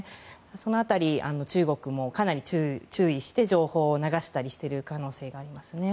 その辺り、中国もかなり注意して情報を流したりしている可能性がありますね。